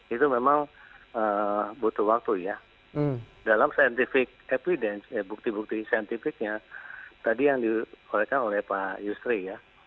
itu memang butuh waktu ya dalam bukti bukti saintifiknya tadi yang dikorekan oleh pak yusri ya